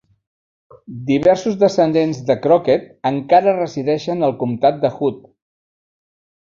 Diversos descendents de Crockett encara resideixen al comtat de Hood.